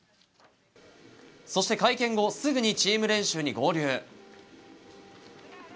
そして会見後すぐにチーム練習に合流。